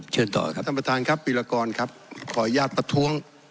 เชิญต่อครับท่านประธานครับวิรากรครับขออนุญาตประท้วง